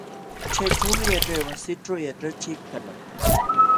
Chaćhuumi yaćhaywasićhu yaćhachiq kalqa.